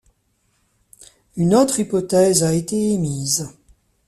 Une autre hypothèse a été émise.